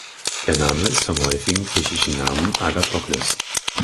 Der Name ist vom häufigen griechischen Namen Agathokles.